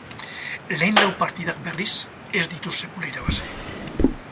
Lehen lau partidak, berriz, ez ditu sekula irabazi.